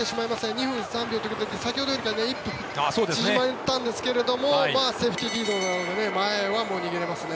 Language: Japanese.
２分３秒ということで先ほどより１分縮まったんですがセーフティーリードなので前はもう逃げれますね。